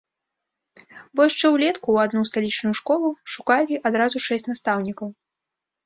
Бо яшчэ ўлетку ў адну сталічную школу шукалі адразу шэсць настаўнікаў.